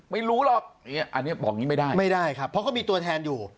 ไม่รู้หรอกอันนี้บอกอย่างนี้ไม่ได้ไม่ได้ครับเพราะเขามีตัวแทนอยู่